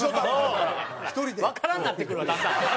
わからんなってくるわだんだん。